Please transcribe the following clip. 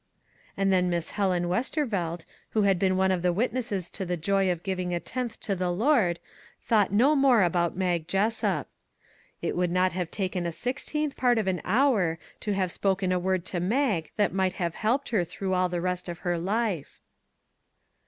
And then Miss Helen Westervelt, who had been one of the witnesses to the joy of giving a tenth to the Lord, thought no more about Mag Jessup. It would not have taken a sixteenth part of an hour to have spoken a word to Mag that might have helped her through all the rest of her life.